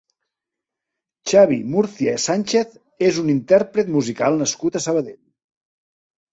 Xavi Múrcia Sànchez és un intèrpret musical nascut a Sabadell.